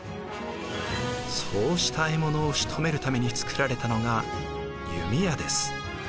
そうした獲物をしとめるために作られたのが弓矢です。